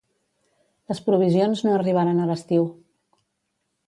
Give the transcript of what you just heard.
Les provisions no arribaran a l'estiu.